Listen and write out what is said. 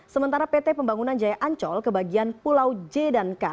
sementara pt pembangunan jaya ancol ke bagian pulau j dan k